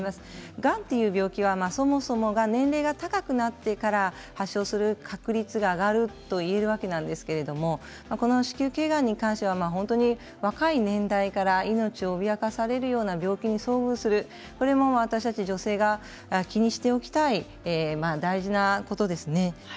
がんという病気はそもそもが年齢が高くなってから発症する確率が上がるというわけですが子宮けいがんに関しては若い年代から命を脅かされるような病気に遭遇するこれも私たち女性が気にしておきたい大事なことです。